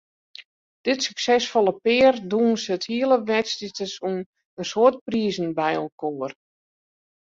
Dit suksesfolle pear dûnse it hiele wedstriidseizoen in soad prizen byinoar.